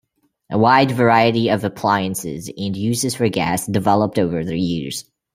A wide variety of appliances and uses for gas developed over the years.